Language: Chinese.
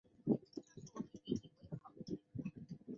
棒状毛毡苔粉的化石花粉发现于台湾的中新世构成物。